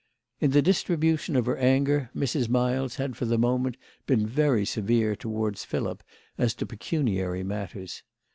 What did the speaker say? In the distribution of her anger Mrs. Miles had for the moment been very severe towards Philip as to pecuniary matters.